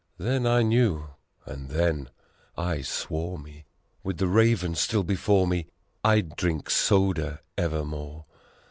Then I knew, and then I swore me, With the Raven still before me, I'd drink soda evermore